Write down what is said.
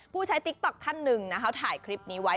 ใช้ติ๊กต๊อกท่านหนึ่งนะคะถ่ายคลิปนี้ไว้